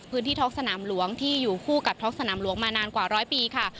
พื้นที่ท้องสนามหลวงที่อยู่คู่กับท้องสนามหลวงมานานกว่าร้อยปีค่ะ